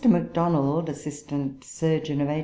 Macdonald, Assistant Surgeon of H.